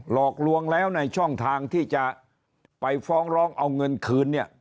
หลอกลวงแล้วในช่องทางที่จะไปฟ้องร้องเอาเงินคืนเนี่ย